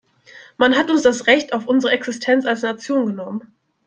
Man hat uns das Recht auf unsere Existenz als Nation genommen.